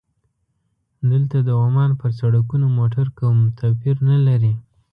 دلته د عمان پر سړکونو موټر کوم توپیر نه لري.